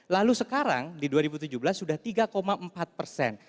lalu sekarang di dua ribu tujuh belas sudah tiga empat persen